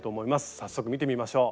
早速見てみましょう。